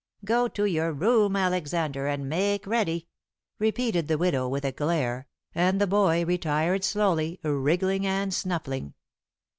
"Go to your room, Alexander, and make ready," repeated the widow, with a glare, and the boy retired slowly, wriggling and snuffling.